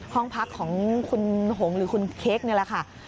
ห้องพักของคุณหงหรือคุณเค้กนี่แหละค่ะ